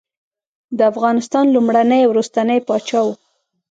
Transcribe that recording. د افغانستان لومړنی او وروستنی پاچا وو.